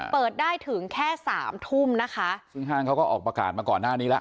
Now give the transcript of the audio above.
เปิดได้ถึงแค่สามทุ่มนะคะซึ่งห้างเขาก็ออกประกาศมาก่อนหน้านี้แล้ว